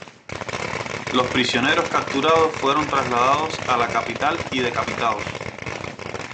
Los prisioneros capturados fueron trasladados a la capital y decapitados.